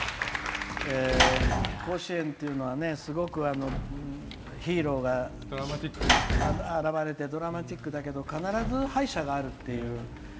「甲子園」っていうのはすごくヒーローが現れてドラマチックだけど必ず敗者があるっていう。